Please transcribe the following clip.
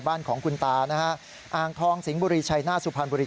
บ้านของคุณตานะฮะอ่างทองสิงห์บุรีชัยหน้าสุพรรณบุรี